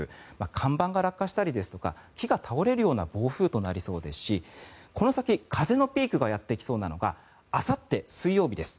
看板が落下したりですとか木が倒れるような暴風となりそうですしこの先、風のピークがやってきそうなのがあさって水曜日です。